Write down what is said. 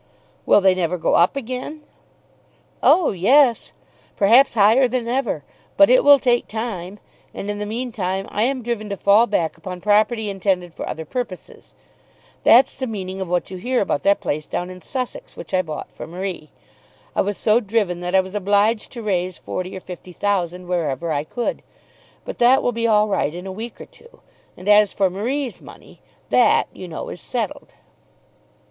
"Will they never go up again?" "Oh yes; perhaps higher than ever. But it will take time. And in the meantime I am driven to fall back upon property intended for other purposes. That's the meaning of what you hear about that place down in Sussex which I bought for Marie. I was so driven that I was obliged to raise forty or fifty thousand wherever I could. But that will be all right in a week or two. And as for Marie's money, that, you know, is settled."